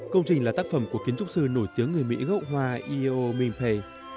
công trình là tác phẩm của kiến trúc sư nổi tiếng người mỹ gốc hoa e o mimpe